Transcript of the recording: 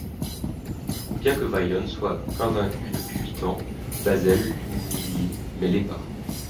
Bien que Vaijon soit invaincu depuis huit ans, Bahzell l’humilie mais l’épargne.